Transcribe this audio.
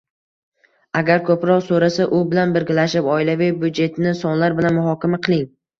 Agar ko‘proq so‘rasa, u bilan birgalashib oilaviy byudjetni sonlar bilan muhokama qiling.